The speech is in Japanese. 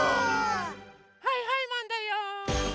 はいはいマンだよ！